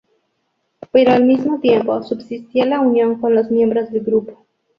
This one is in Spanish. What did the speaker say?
Pero al mismo tiempo, subsistía la unión con los miembros del grupo.